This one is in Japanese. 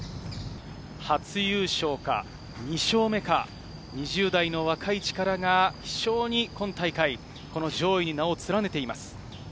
初優勝か２勝目か、２０代の若い力が非常に今大会、この上位に名を連ねています。